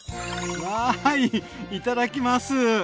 わいいただきます！